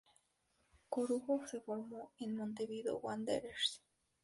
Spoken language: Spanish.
Corujo se formó en Montevideo Wanderers.